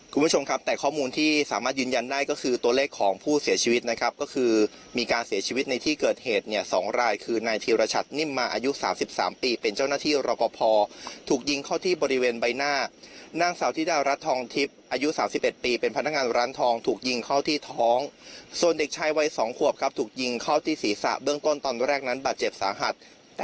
คุณผู้ชมครับแต่ข้อมูลที่สามารถยืนยันได้ก็คือตัวเลขของผู้เสียชีวิตนะครับก็คือมีการเสียชีวิตในที่เกิดเหตุเนี่ยสองรายคือในทีรชัดนิ่มมาอายุสามสิบสามปีเป็นเจ้าหน้าที่รบพอพอถูกยิงเข้าที่บริเวณใบหน้านางสาวธิดารัฐทองทิพย์อายุสามสิบเอ็ดปีเป็นพนักงานร้านทองถูกยิงเข้าท